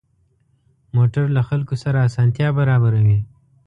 موټر له خلکو سره اسانتیا برابروي.